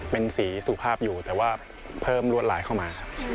เป็นสีสุภาพอยู่แต่ว่าเพิ่มรวดลายเข้ามาครับ